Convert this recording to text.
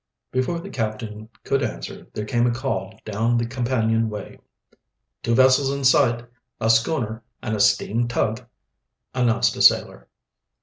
Before the captain could answer there came a call down the companion way. "Two vessels in sight a schooner and a steam tug," announced a sailor.